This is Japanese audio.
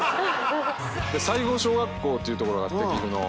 西郷小学校っていう所があって岐阜の。